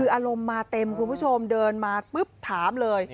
อารมณ์มาเต็มคุณผู้ชมเดินมาปุ๊บถามเลย